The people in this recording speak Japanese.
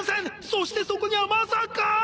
そしてそこにはまさか。